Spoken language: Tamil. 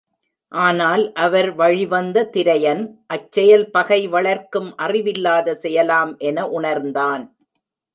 ஆனால், அவர் வழிவந்த திரையன், அச் செயல் பகை வளர்க்கும் அறிவில்லாத செயலாம் என உணர்ந்தான்.